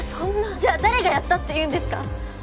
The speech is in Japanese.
じゃあ誰がやったっていうんですか？